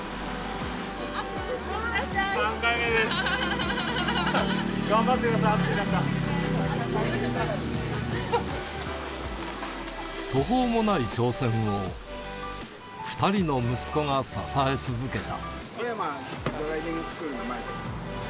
握手してください。頑張ってください、途方もない挑戦を、２人の息子が支え続けた。